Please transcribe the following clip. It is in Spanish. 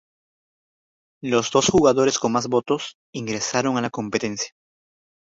Los dos jugadores con más votos ingresaron a la competencia.